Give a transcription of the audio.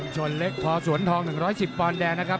ส่วนเล็กพอสวนทอง๑๑๐ปอนดแดงนะครับ